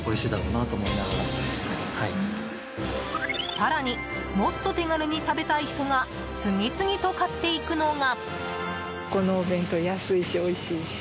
更にもっと手軽に食べたい人が次々と買っていくのが。